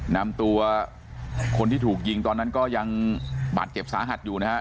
นำตัวคนที่ถูกยิงตอนนั้นก็ยังบาดเจ็บสาหัสอยู่นะฮะ